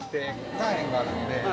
岩塩があるので。